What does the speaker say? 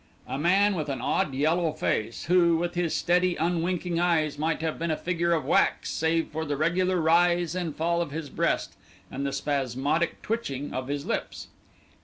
A man with an odd yellow face, who, with his steady unwinking eyes might have been a figure of wax save for the regular rise and fall of his breast, and the spasmodic twitching of his lips.